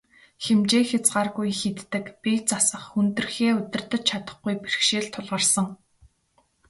Хэмжээ хязгааргүй их иддэг, бие засах, хүндрэхээ удирдаж чадахгүй бэрхшээл тулгарсан.